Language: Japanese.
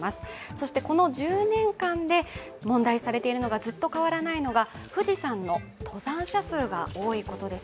そしてこの１０年間で問題視されているのがずっと変わらないのが富士山の登山者数が多いことです。